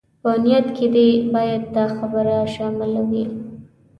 په نيت کې دې بايد دا خبره شامله وي.